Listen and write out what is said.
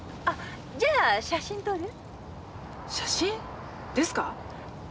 あっじゃあ写真撮る？写真？ですか？